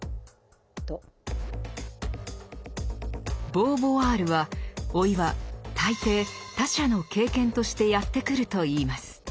ボーヴォワールは老いは大抵「他者の経験」としてやって来るといいます。